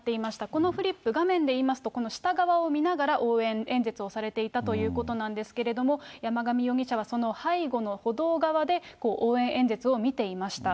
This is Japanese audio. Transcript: このフリップ、画面でいいますと、この下側を見ながら応援演説をされていたということなんですけれども、山上容疑者はその背後の歩道側で、応援演説を見ていました。